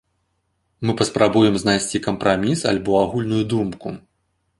Мы паспрабуем знайсці кампраміс альбо агульную думку.